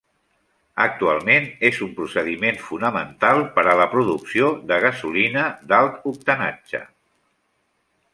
Actualment és un procediment fonamental per a la producció de gasolina d'alt octanatge.